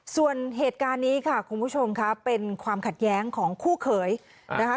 ส่วนเหตุการณ์นี้ค่ะคุณผู้ชมค่ะเป็นความขัดแย้งของคู่เขยนะคะ